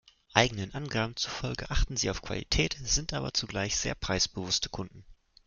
Eigenen Angaben zufolge achten sie auf Qualität, sind aber zugleich sehr preisbewusste Kunden.